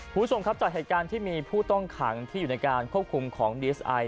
คุณผู้ชมครับจากเหตุการณ์ที่มีผู้ต้องขังที่อยู่ในการควบคุมของดีเอสไอ